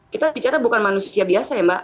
kita bicara bukan manusia biasa ya mbak